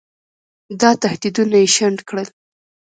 دا تهدیدونه یې شنډ کړل.